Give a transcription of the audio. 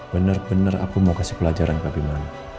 benar benar aku mau kasih pelajaran ke abimana